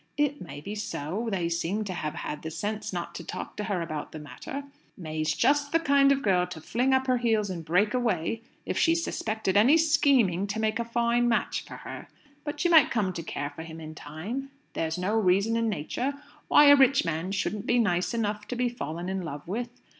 "It may be so. They seem to have had the sense not to talk to her about the matter. May's just the kind of girl to fling up her heels and break away, if she suspected any scheming to make a fine match for her. But she might come to care for him in time. There's no reason in nature why a rich man shouldn't be nice enough to be fallen in love with.